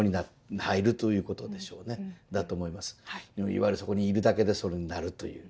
いわゆるそこにいるだけでそれになるという。